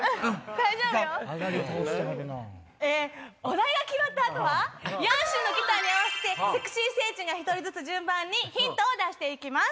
大丈夫よ！お題が決まった後はヤンシーのギターに合わせてセクシー星人が１人ずつ順番にヒントを出して行きます。